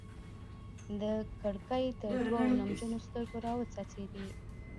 د کړکۍ تر دوو نمجنو ستوګو راوڅڅيدې